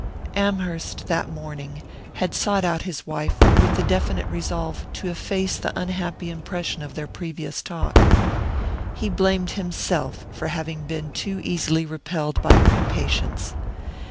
Amherst, that morning, had sought out his wife with the definite resolve to efface the unhappy impression of their previous talk. He blamed himself for having been too easily repelled by her impatience.